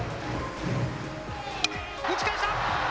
打ち返した。